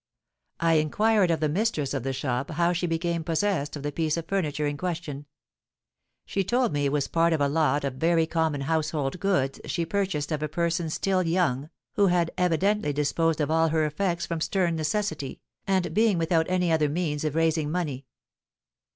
I inquired of the mistress of the shop how she became possessed of the piece of furniture in question. She told me it was part of a lot of very common household goods she purchased of a person still young, who had evidently disposed of all her effects from stern necessity, and being without any other means of raising money.